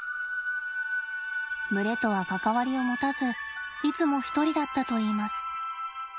群れとは関わりを持たずいつも一人だったといいます。